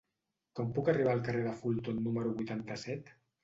Com puc arribar al carrer de Fulton número vuitanta-set?